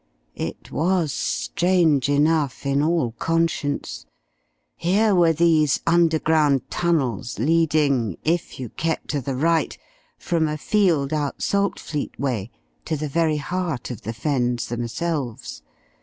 It was strange enough, in all conscience. Here were these underground tunnels leading, "if you kept to the right," from a field out Saltfleet way, to the very heart of the Fens themselves.